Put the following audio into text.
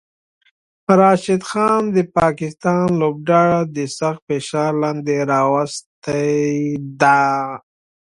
راشد خان د پاکستان لوبډله د سخت فشار لاندې راوستی ده